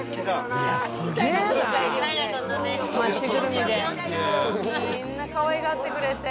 みんなかわいがってくれて。